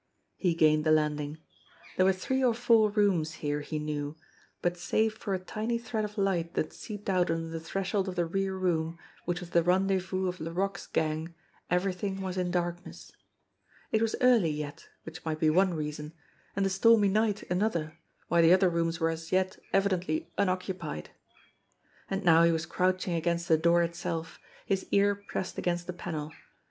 He gained the landing. There were three or four rooms, here, he knew, but save for a tiny thread of light that seeped out under the threshold of the rear room, which was the rendezvous of Laroque's gang, everything was in darkness. It was early yet, which might be one reason, and the stormy BEGGAR PETE 111 night another, why the other rooms were as yet evidently unoccupied. And now he was crouching against the door itself, his ear pressed against the panel.